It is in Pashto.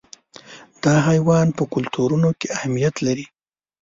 دا حیوان په کلتورونو کې اهمیت لري.